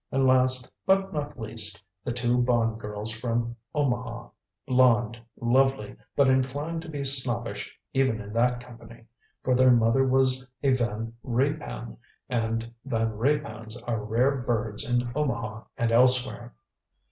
And last but not least the two Bond girls from Omaha blond, lovely, but inclined to be snobbish even in that company, for their mother was a Van Reypan, and Van Reypans are rare birds in Omaha and elsewhere.